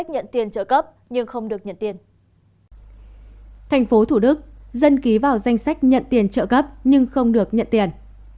thành phố thủ đức dân ký vào danh sách nhận tiền trợ cấp nhưng không được nhận tiền